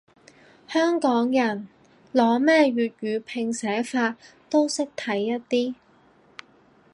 香港人，攞咩粵語拼寫法都識睇一啲